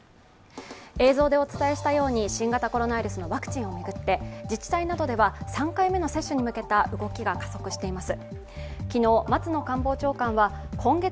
映像でお伝えしたように新型コロナウイルスのワクチンを巡って自治体などでは３回目の接種に向けた動きが加速しています。